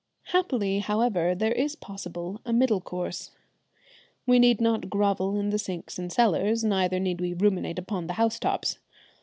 Happily, however, there is possible a middle course. We need not grovel in the sinks and cellars, neither need we ruminate upon the house tops.